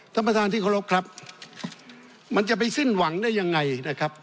ท่านประธานที่เคารพครับมันจะไปสิ้นหวังได้ยังไงนะครับ